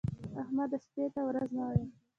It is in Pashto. احمده! شپې ته ورځ مه وايه.